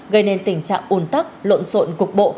gây nên tình trạng ùn tắc lộn xộn cục bộ